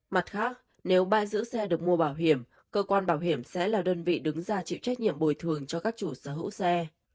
mặt khác nếu bãi giữ xe được mua bảo hiểm cơ quan bảo hiểm sẽ là đơn vị đứng ra chịu trách nhiệm bồi thường cho các chủ sở hữu xe